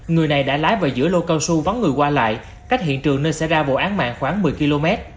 người này đã lái vào giữa lô cao su vắng người qua lại cách hiện trường nơi xảy ra vụ án mạng khoảng một mươi km